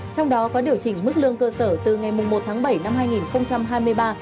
trong đó có điều chỉnh mức lương cơ sở từ ngày một tháng bảy năm hai nghìn hai mươi ba